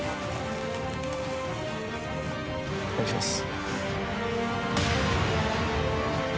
お願いします。